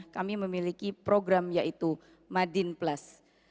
kami memiliki program yaitu madin plus